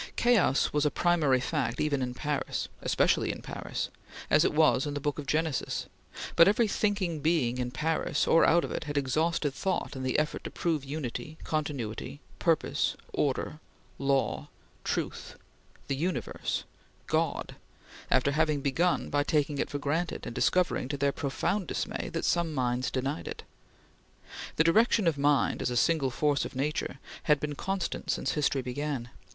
Chaos was a primary fact even in Paris especially in Paris as it was in the Book of Genesis; but every thinking being in Paris or out of it had exhausted thought in the effort to prove Unity, Continuity, Purpose, Order, Law, Truth, the Universe, God, after having begun by taking it for granted, and discovering, to their profound dismay, that some minds denied it. The direction of mind, as a single force of nature, had been constant since history began.